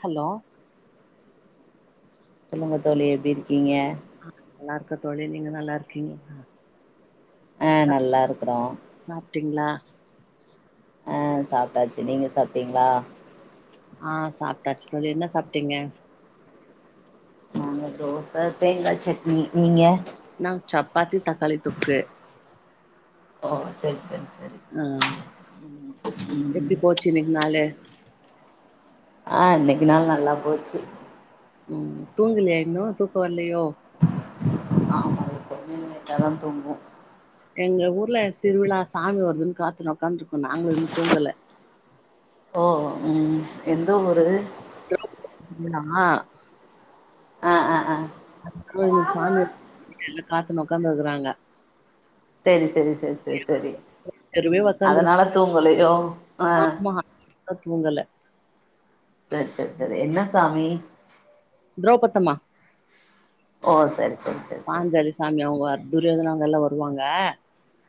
hello சொல்லுங்க தோழி எப்டி இருக்கீங்க ஆ நல்லார்க்க தோழி நீங்க நல்லா இர்க்கீங் ஆ சப் நல்லா இருக்குறோ சாப்ட்டிங்ளா அ சாப்ட்டாச்சு நீங்க சாப்ட்டிங்ளா ஆ சாப்ட்டாச் தோழி என்ன சாப்ட்டிங்க தோச தேங்கா சட்னி நீங்க நா சப்பாத்தி தக்காளி தொக்கு ஓ சரி சரி ம் எப்டி ம் போச்சு இன்னக்கு நாளு ஆ இன்னைக்கு நாள் நல்லா போச்சு தூங்கலியாயின்னும் தூக்க வர்லயோ லேட்டா தா தூங்குவோ எங்க ஊர்ல திருவிழா சாமி வருதுன்னு காத்துனு உக்காந்துருக்கோ நாங்களு இன்னு தூங்கல ஓ எந்த ஊரு [inaudible] நா ஆ ஆ ஆ ம் சாமி வெளிய காத்துனு உக்காந்துறாங்க சேரி சேரி சேரி சேரி சரி தெருவே உக்காந்துருக்கு அதனால தூங்கலயோ ஆமா தூங்கல சரி சரி சரி என்ன சாமி திரௌபத்தம்மா ஓ சரி பாஞ்சாலி சாமி அவங்க துரியோதன அவங்க எல்லா வருவாங்க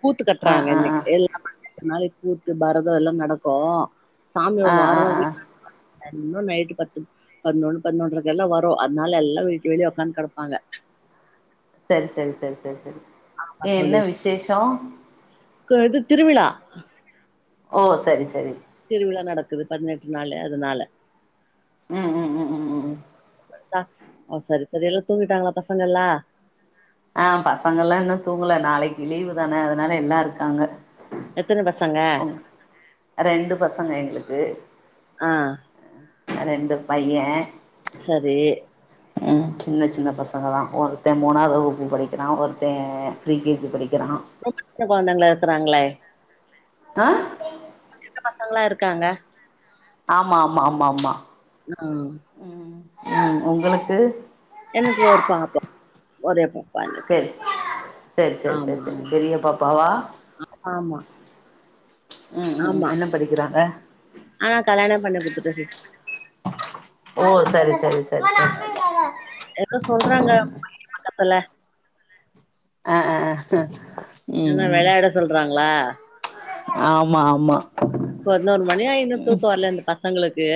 கூத்து ஆ கட்றாங்க ஆ இன்னக்கு ஆ எல்ல [inaudible] கூத்து பரத எல்லா நடக்கு சாமி ஒரு ஆ ஆ வாரம ஆ [inaudible] இன்னும் நைட்டு பத்து பதினொன்னு பதினொன்றைக்கு எல்லா வரு அதனால எல்லாரு வீட்டு வெளிய உக்காந்து கெடப்பாங்க சரி சரி சரி சரி சரி ஏ என்ன விசேஷம் குது திருவிழா ஓ சரி சரி திருவிழா நடக்குது பதினெட்டு நாளு அதுனால ம் ம் ம் ம் ம் ம் ம் ஓ சரி சரி எல்லாரு தூங்கிட்டாங்களா பசங்க எல்லா ஆ பசங்கல்லா இன்னு தூங்கல நாளைக்கு லீவு தான அதனால எல்லா இருக்காங்க எத்தன பசங்க ம் ரெண்டு பசங்க எங்களுக்கு ஆ ரெண்டு பைய சரி ம் சின்ன சின்ன பசங்க தா ஒருத்தெ மூணாவது வகுப்பு படிக்கிறா ஒருத்தெ ப்ரீ கே ஜி படிக் ரொம்ப சின்ன கொழந்தைங்களா இருக்கிறாங்களே அ பசங்கலா இருக்காங்க ஆமா ஆமா ஆமா ஆமா ம் ம் ம் உங்களுக்கு என்கு ஒரு பாப்பா ஒரே பாப்பா எனக்கு சரி சரி சரி சரி ஆமா சரி ஆமா பெரிய பாப்பாவா ஆமா ம் ம் என்ன படிக்கிறாங்க அ கல்யாண பண்ணி குடுத்துட்டே சிஸ் ஓ சரி சரி சரி சரி ஆமா ல ஆ ஆ ஆ என்ன ம் வெளயாட சொல்றாங்களா ஆமா ஆமா பதினோரு மணி ஆயி இன்னு தூக்க வர்ல இந்த பசங்களுக்கு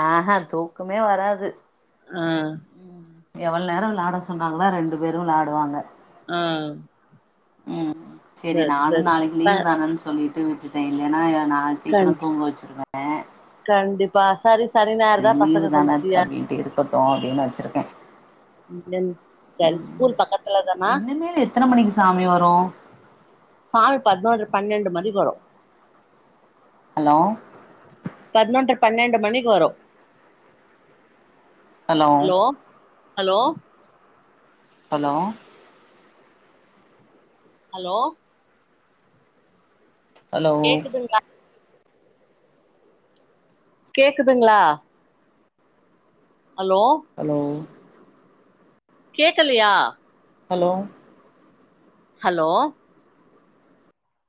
ஆஹெ தூக்கமே வராது ஆ எவ்ளோ நேர விளாட சொன்னாங்களோ ரெண்டு பேரு வ்ளாடுவாங்க ஆ ம் செரி சரி நானு சரி நாளைக்கி ப லீவு தானன்னு சொல்லிட்டு விட்டுட்டே இல்லேன்னா நா கண் சீக்கிரம் தூங்க வச்சுருவே கண்டிப்பா சரி சரி செரி நேரந்தா பசங்க லீவு கொஞ்சோ தான ஃப்ரீயா அப்டிட்டு இருக்கட்டு அப்டின்னு வச்சுருக்கே ம் சரி ம் ஸ்கூல் பக்கத்துல தானா இனிமேல் எத்தன மணிக்கு சாமி வரு சாமி பதினோரு பன்னெண்டு மணிக்கு வரு ஹலோ பதினொன்ற பன்னெண்டு மணிக்கு வரு hello hello hello hello hello கேக்குதுங்ளா கேக்குதுங்ளா ஹலோ கேக்கலையா ஹலோ ஹலோ